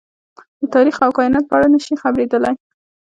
د تاريخ او کايناتو په اړه نه شي خبرېدلی.